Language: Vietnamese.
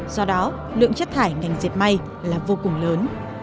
do đó lượng chất thải ngành diệt may là vô cùng lớn